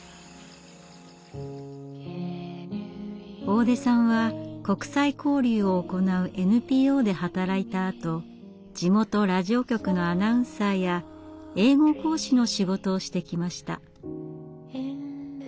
大出さんは国際交流を行うＮＰＯで働いたあと地元ラジオ局のアナウンサーや英語講師の仕事をしてきました。